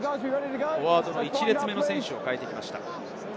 フォワード１列目の選手を代えてきました。